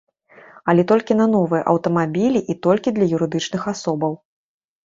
Але толькі на новыя аўтамабілі і толькі для юрыдычных асобаў.